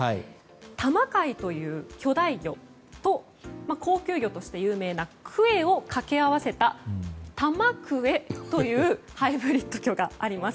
タマカイという巨大魚と高級魚として有名なクエをかけ合わせた、タマクエというハイブリッド魚があります。